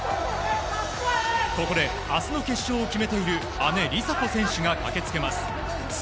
ここで明日の決勝を決めている姉・梨紗子選手が駆けつけます。